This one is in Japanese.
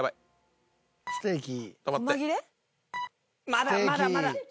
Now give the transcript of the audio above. まだまだまだ！